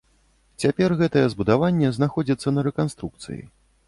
Цяпер гэтае збудаванне знаходзіцца на рэканструкцыі.